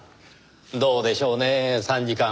どうでしょうねぇ参事官。